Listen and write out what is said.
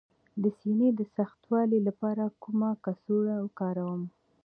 د سینې د سختوالي لپاره کومه کڅوړه وکاروم؟